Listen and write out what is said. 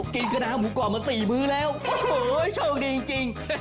กินกะหนาหมูกร่อนมาสี่มื้อแล้วโอ้โหโชคดีจริงจริง